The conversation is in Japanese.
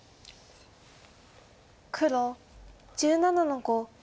黒１７の五。